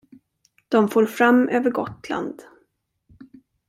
De for fram över Gotland.